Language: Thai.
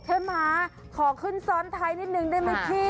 เทมาขอขึ้นซ้อนไทยนิดหนึ่งได้ไหมพี่